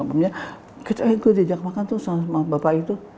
maksudnya gitu aja gue diajak makan tuh sama bapak itu